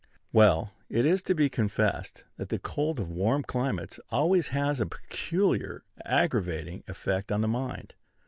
Well, it is to be confessed that the cold of warm climates always has a peculiarly aggravating effect on the mind.